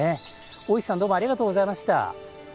大石さんどうもありがとうございました。